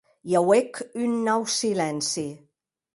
I auec un nau silenci.